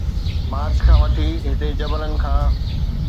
march کان وٺي هتي جبلن کان